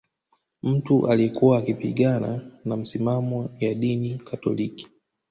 Mtu aliyekuwa akipingana na misimamo ya dini katoliki